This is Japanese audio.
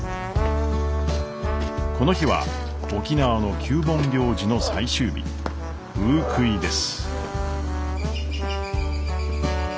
この日は沖縄の旧盆行事の最終日ウークイです。